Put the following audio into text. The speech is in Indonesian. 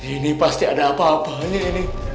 ini pasti ada apa apanya ini